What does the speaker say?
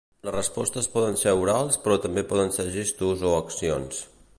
Les respostes poden ser orals però també poden ser gestos o accions.